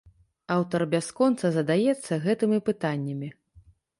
Аўтар бясконца задаецца гэтымі пытаннямі.